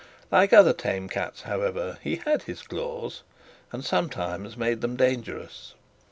Like other tame cats, however, he had his claws, and sometimes, made them dangerous.